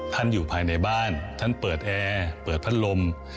อยู่ภายในบ้านท่านเปิดแอร์เปิดพัดลม